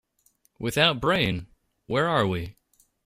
Without brain, where are we?